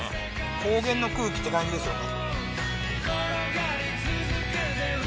高原の空気って感じですよね。